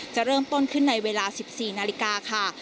จะเริ่มต้นขึ้นในเวลา๑๔นาฬิกาค่ะ